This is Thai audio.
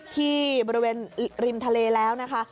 ที่บริเวณริมทะเลแล้วนะคะ